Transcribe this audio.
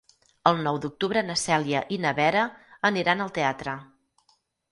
El nou d'octubre na Cèlia i na Vera aniran al teatre.